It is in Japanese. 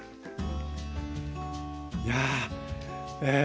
いやあええ。